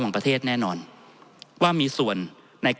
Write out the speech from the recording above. ท่านประธานครับนี่คือสิ่งที่สุดท้ายของท่านครับ